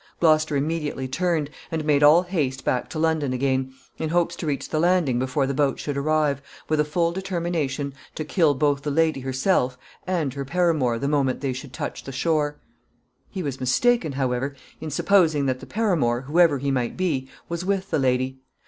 Gloucester immediately turned, and made all haste back to London again, in hopes to reach the landing before the boat should arrive, with a full determination to kill both the lady herself and her paramour the moment they should touch the shore. [Sidenote: Gloucester mistaken.] He was mistaken, however, in supposing that the paramour, whoever he might be, was with the lady.